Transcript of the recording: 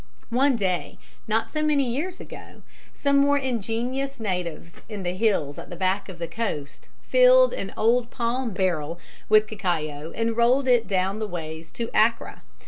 ] One day, not so many years ago, some more ingenious native in the hills at the back of the Coast, filled an old palm oil barrel with cacao and rolled it down the ways to Accra.